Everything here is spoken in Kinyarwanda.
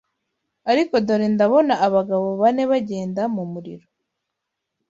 ariko dore ndabona abagabo bane bagenda mu muriro